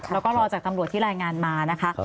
แล้วก็รอจากตำรวจที่รายงานมานะคะ